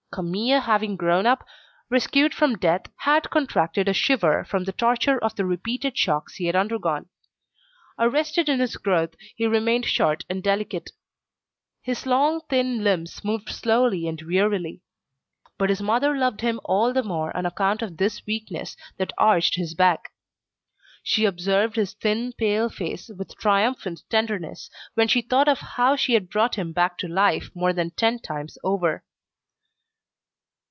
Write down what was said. Camille having grown up, rescued from death, had contracted a shiver from the torture of the repeated shocks he had undergone. Arrested in his growth, he remained short and delicate. His long, thin limbs moved slowly and wearily. But his mother loved him all the more on account of this weakness that arched his back. She observed his thin, pale face with triumphant tenderness when she thought of how she had brought him back to life more than ten times over.